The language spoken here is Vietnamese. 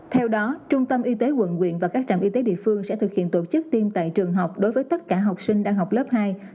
theo đó trung tâm y tế quận quyện và các trạm y tế địa phương sẽ thực hiện tổ chức tiêm tại trường học đối với tất cả học sinh đang học lớp hai